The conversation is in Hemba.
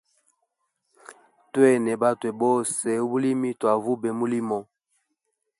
Twene batwe bose ubulimi twavube mulimo.